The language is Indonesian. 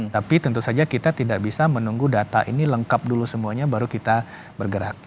tapi tentu saja kita tidak bisa menunggu data ini lengkap dulu semuanya baru kita bergerak